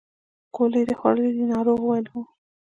ګولۍ دې خوړلې دي ناروغ وویل هو.